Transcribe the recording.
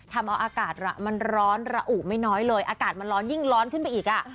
ทำเอาอากาศมันร้อนระอุไม่น้อยเลยอากาศมันร้อนยิ่งร้อนขึ้นไปอีกอ่ะ